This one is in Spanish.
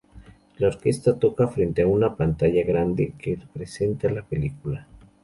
La orquesta toca frente a una pantalla grande que representa la película.